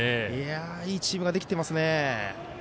いいチームができてますね。